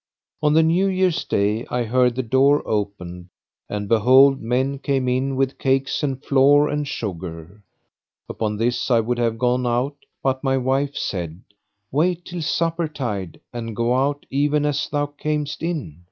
On the New Year's day I heard the door opened and behold, men came in with cakes and flour and sugar. Upon this, I would have gone out but my wife said, "Wait till supper tide and go out even as thou camest in."